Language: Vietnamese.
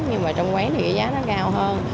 nhưng mà trong quán thì cái giá nó cao hơn